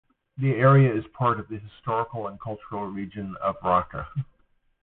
The area is part of the historical and cultural region of Racha.